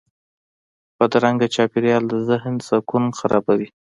بدرنګه چاپېریال د ذهن سکون خرابوي